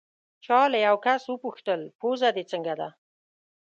چا له یو کس وپوښتل: پوزه دې څنګه ده؟